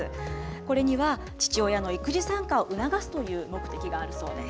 これには父親の育児参加を促すという目的があるそうです。